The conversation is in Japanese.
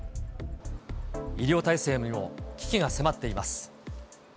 医療体制にも危機が迫っています。